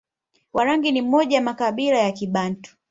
Warangi ni moja ya makabila ya Kibantu